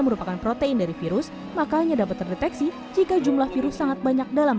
merupakan protein dari virus maka hanya dapat terdeteksi jika jumlah virus sangat banyak dalam